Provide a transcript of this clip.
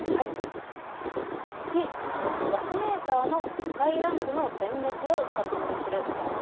１、ガスメーターの赤いランプの点滅を確認する。